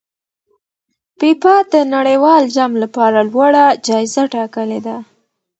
فیفا د نړیوال جام لپاره لوړه جایزه ټاکلې ده.